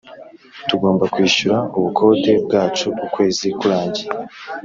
tugomba kwishyura ubukode bwacu ukwezi kurangiye.